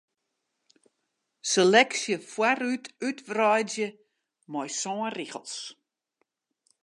Seleksje foarút útwreidzje mei sân rigels.